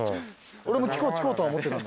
俺も聞こう聞こうとは思ってた。